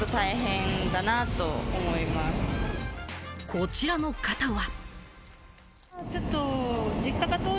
こちらの方は。